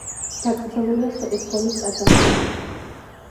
დაკრძალულია სვეტიცხოვლის ტაძარში.